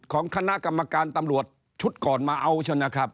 ของคณะกรรมการตำรวจชุดก่อนมาเอา